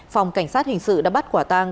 phòng cảnh sát hình sự đã bắt quả tang